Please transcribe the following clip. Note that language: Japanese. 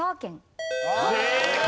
正解。